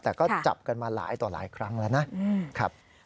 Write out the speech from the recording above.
แต่ก็จับกันมาหลายต่อหลายครั้งแล้วนะครับ